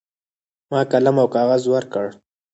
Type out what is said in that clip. ما قلم او کاغذ ورکړ.